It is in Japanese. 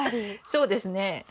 そうですね。